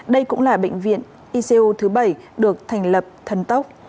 đây cũng là bệnh viện icu thứ bảy được thành lập thần tốc